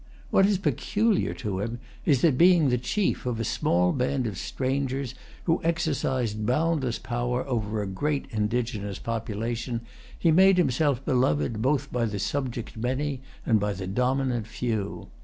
What is peculiar to him is that, being the chief of a small band of strangers who exercised boundless power over a great indigenous population, he made himself beloved both by the subject many and by the dominant few.